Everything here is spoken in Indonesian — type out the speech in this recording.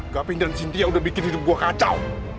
gaping dan cynthia udah bikin hidup gua kacau